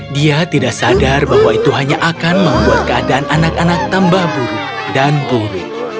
dia tidak sadar bahwa itu hanya akan membuat keadaan anak anak tambah buruk dan buruk